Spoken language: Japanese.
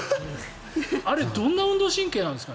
あれはどんな運動神経なんですか？